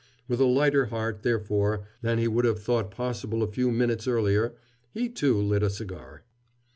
With a lighter heart, therefore, than he would have thought possible a few minutes earlier, he, too, lit a cigar.